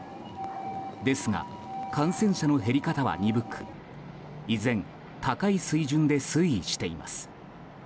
ですが、感染者の減り方は鈍く依然高い水準で推移しています。